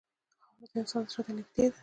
خاوره د انسان زړه ته نږدې ده.